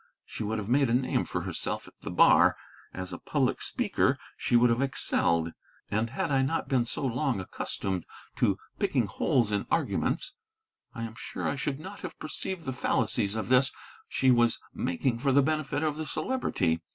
She would have made a name for herself at the bar; as a public speaker she would have excelled. And had I not been so long accustomed to picking holes in arguments I am sure I should not have perceived the fallacies of this she was making for the benefit of the Celebrity.